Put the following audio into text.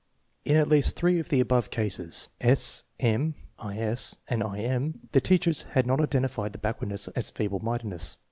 In at least three of the above cases (S. M., I. S., and I. M.) the teachers had not identified the backwardness as feeble mindedness.